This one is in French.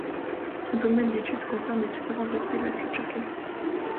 Son domaine d'étude concerne les différents aspects de la culture kabyle.